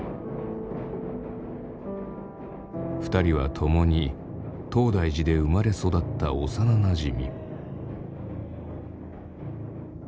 ２人は共に東大寺で生まれ育った幼なじみ。